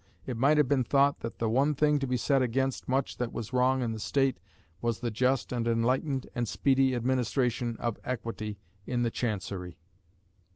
It might have been thought that the one thing to be set against much that was wrong in the State was the just and enlightened and speedy administration of equity in the Chancery.